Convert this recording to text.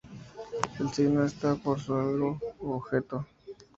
El signo está por algo, su objeto.